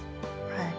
はい。